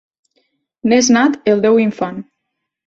N'és nat el Déu Infant...